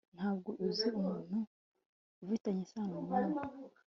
Ntabwo uzi umuntu ufitanye isano nawe